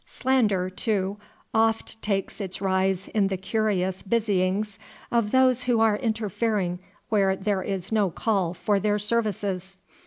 Slander, too, oft takes its rise in the curious busyings of those who are interfering where there is no call for their services.